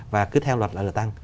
và cứ theo luật là được tăng